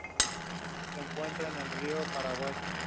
Se encuentra en el río Paraguay.